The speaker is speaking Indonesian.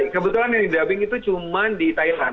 kebetulan yang di dubbing itu cuma di thailand